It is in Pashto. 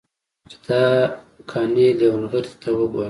چې دا قانع لېونغرته وګوره.